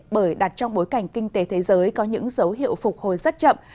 bởi đặt trong bối cảnh kinh tế thế giới có những dấu hiệu phục hồi rất chậm